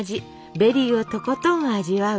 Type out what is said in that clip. ベリーをとことん味わう